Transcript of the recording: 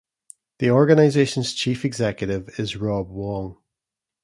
The organisation's Chief Executive is Rob Wong.